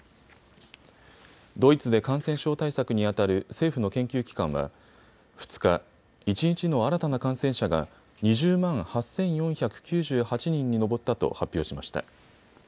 ドイツで感染症対策にあたる政府の研究機関は２日、一日の新たな感染者が２０万８４９８人に上ったと発表しました。